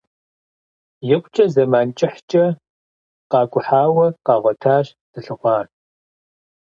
Икъукӏэ зэмэн кӏыхькӏэ къакӏухьауэ къагъуэтащ зылъыхъуар.